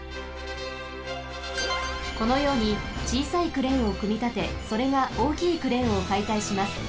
このようにちいさいクレーンをくみたてそれがおおきいクレーンをかいたいします。